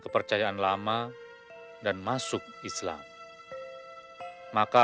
pergilah dari rumahku